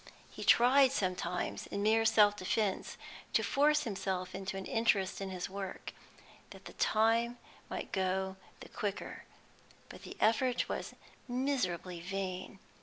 He tried sometimes, in mere self defence, to force himself into an interest in his work, that the time might go the quicker; but the effort was miserably vain.